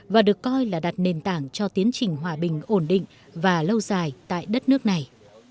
và được coi là đặt nền tảng cho tiến trình hòa bình ổn định và lâu dài tại đất nước này